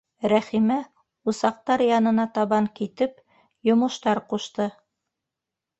Рәхимә, усаҡтар янына табан китеп, йомоштар ҡушты: